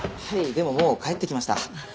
でももう帰ってきました。